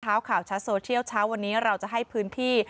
ข่าวชัดโซเชียลเช้าวันนี้เราจะให้พื้นที่